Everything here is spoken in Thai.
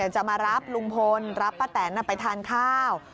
จะมารับลุงพลรับป้าแตนไปทานข้าว